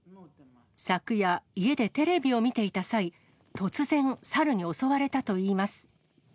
昨夜、家でテレビを見ていた際、突然、サルに襲われたといいます。